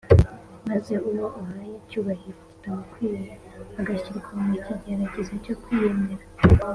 . Maze uwo uhawe icyubahiro kitamukwiriye agashyirwa mu kigeragezo cyo kwiyemera